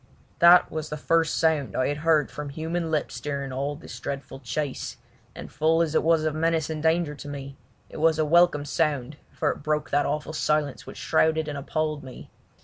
That was the first sound I had heard from human lips during all this dreadful chase, and full as it was of menace and danger to me it was a welcome sound for it broke that awful silence which shrouded and appalled me.